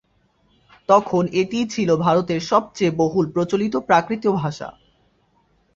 তখন এটিই ছিল ভারতের সবচেয়ে বহুল প্রচলিত প্রাকৃত ভাষা।